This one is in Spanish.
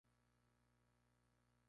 Pero el colegio desapareció.